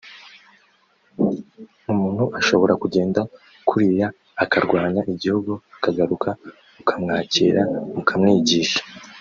Umuntu ashobora kugenda kuriya akarwanya igihugu akagaruka mukamwakira mukamwigisha